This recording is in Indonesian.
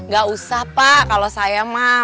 gak usah pak kalau saya mah